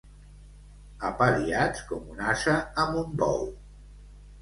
Apariats com un ase amb un bou.